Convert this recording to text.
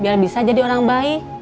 biar bisa jadi orang baik